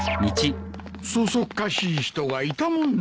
そそっかしい人がいたもんだ。